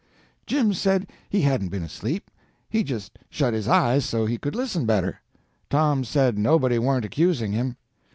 Jim said he hadn't been asleep; he just shut his eyes so he could listen better. Tom said nobody warn't accusing him.